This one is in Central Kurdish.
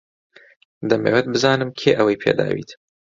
دەمەوێت بزانم کێ ئەوەی پێداویت.